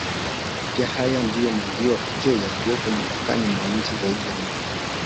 Pia haya ndiyo maziwa pekee yaliyopo mipakani mwa nchi zaidi ya moja